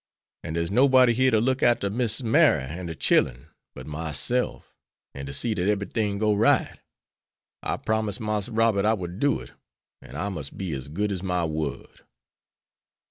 An' der's nobody here to look arter Miss Mary an' de chillen, but myself, an' to see dat eberything goes right. I promised Marse Robert I would do it, an' I mus' be as good as my word."